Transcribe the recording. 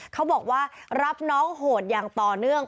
เขาบอกว่ารับน้องโหดอย่างต่อเนื่อง